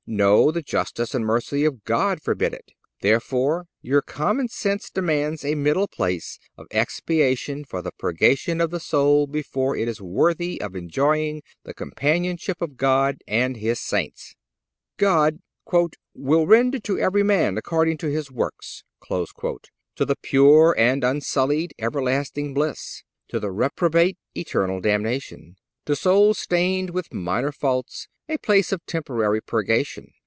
No; the justice and mercy of God forbid it. Therefore, your common sense demands a middle place of expiation for the purgation of the soul before it is worthy of enjoying the companionship of God and His Saints. God "will render to every man according to his works,"—to the pure and unsullied everlasting bliss; to the reprobate eternal damnation; to souls stained with minor faults a place of temporary purgation.